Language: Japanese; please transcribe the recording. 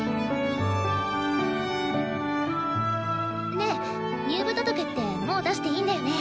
ねえ入部届ってもう出していいんだよね？